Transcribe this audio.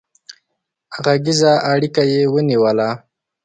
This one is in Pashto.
غږيزه اړيکه يې ونيوله